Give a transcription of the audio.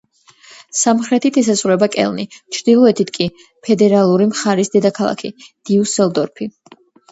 სამხრეთით ესაზღვრება კელნი, ჩრდილოეთით კი ფედერალური მხარის დედაქალაქი დიუსელდორფი.